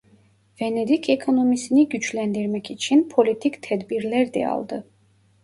Venedik ekonomisini güçlendirmek için politik tedbirler de aldı.